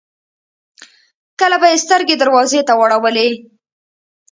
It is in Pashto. کله به يې سترګې دروازې ته واړولې.